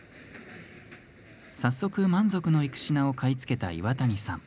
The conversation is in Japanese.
早速、満足のいく品を買い付けた岩谷さん。